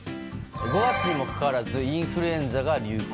５月にもかかわらずインフルエンザが流行。